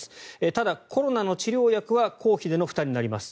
ただ、コロナの治療薬は公費での負担になります。